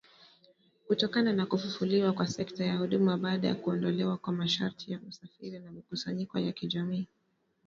kutokana na kufufuliwa kwa sekta ya huduma, baada ya kuondolewa kwa masharti ya usafiri na mikusanyiko ya kijamii